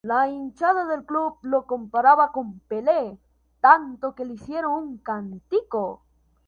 La hinchada del club lo comparaba con Pele tanto que le hicieron un cántico.